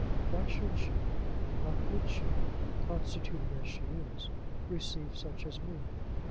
Why should she, how could she, constituted as she is, receive such as me?